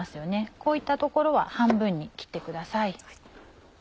こういったところは半分に切ってください。